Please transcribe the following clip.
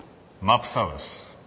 マプサウルス。